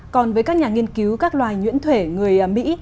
còn với các nhà nghiên cứu các loài nhuyễn thể người mỹ